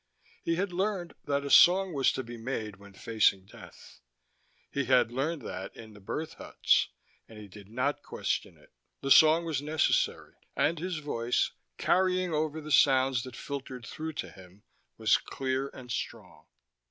He had learned that a song was to be made when facing death: he had learned that in the birth huts, and he did not question it. The song was necessary, and his voice, carrying over the sounds that filtered through to him, was clear and strong.